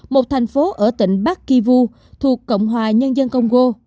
một thành phố ở tỉnh bắc kivu thuộc cộng hòa nhân dân congo